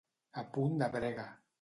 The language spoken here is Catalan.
A punt de brega.